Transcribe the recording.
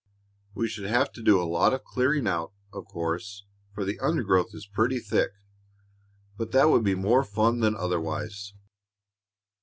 We should have to do a lot of clearing out, of course, for the undergrowth is pretty thick, but that would be more fun than otherwise."